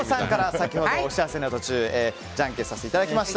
先ほど、お知らせの途中じゃんけんさせていただきました。